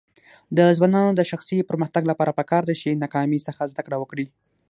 د ځوانانو د شخصي پرمختګ لپاره پکار ده چې ناکامۍ څخه زده کړه وکړي.